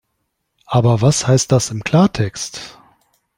Aber was heißt das im Klartext?